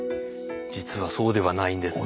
実はそうではないんです。